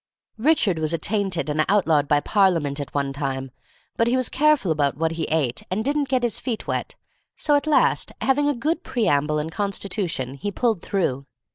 Richard was attainted and outlawed by Parliament at one time; but he was careful about what he ate, and didn't get his feet wet, so, at last, having a good preamble and constitution, he pulled through.